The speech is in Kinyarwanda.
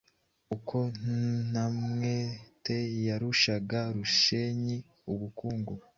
uko Ntamwete yarushaga Rushenyi ubukungu,